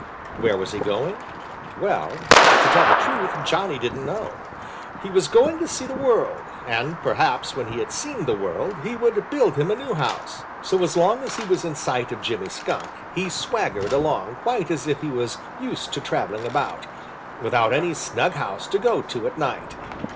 Where was he going? Well, to tell the truth, Johnny didn't know. He was going to see the world, and perhaps when he had seen the world, he would build him a new house. So as long as he was in sight of Jimmy Skunk, he swaggered along quite as if he was used to traveling about, without any snug house to go to at night.